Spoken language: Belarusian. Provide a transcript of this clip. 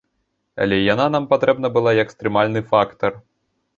Але яна нам патрэбна была як стрымальны фактар.